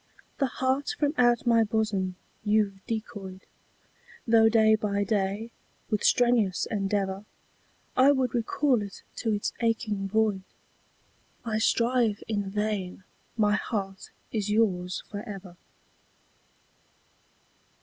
The heart from out my bosom you've decoyed, Though day by day with strenuous endeavour I would recall it to its aching void. I strive in vain my heart is yours for ever.